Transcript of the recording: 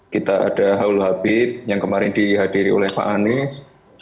kita ada haul habib yang kemarin dihadiri oleh pak anies